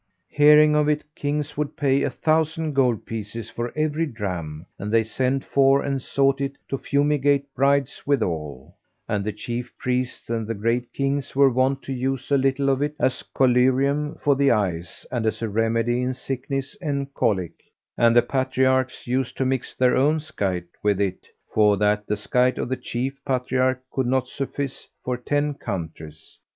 Hearing of it Kings would pay a thousand gold pieces for every dram and they sent for and sought it to fumigate brides withal; and the Chief Priests and the great Kings were wont to use a little of it as collyrium for the eyes and as a remedy in sickness and colic; and the Patriarchs used to mix their own skite[FN#390] with it, for that the skite of the Chief Patriarch could not suffice for ten countries.